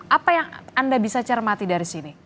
apa yang anda bisa cermati dari sini